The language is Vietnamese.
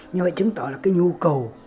như vậy chứng tỏ là cái nhu cầu